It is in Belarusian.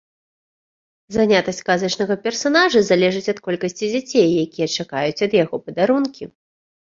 Занятасць казачнага персанажа залежыць ад колькасці дзяцей, якія чакаюць ад яго падарункі.